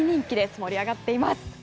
盛り上がっています。